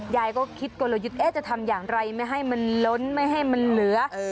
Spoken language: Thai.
ยายก็คิดกลยุทธ์จะทำอย่างไรไม่ให้มันล้นไม่ให้มันเหลือ